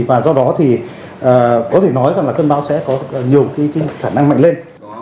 và do đó thì có thể nói rằng là cơn bão sẽ có nhiều khả năng mạnh lên